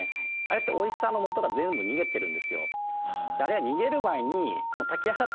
あれっておいしさのもとが全部逃げてるんですよ。